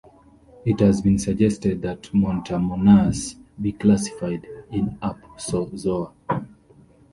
It has been suggested that "Mantamonas" be classified in Apusozoa.